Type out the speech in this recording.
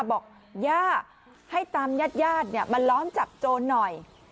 บอกย่าให้ตามญาติญาติมาล้อมจับโจรหน่อย